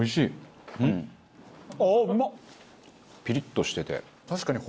ピリッとしてて。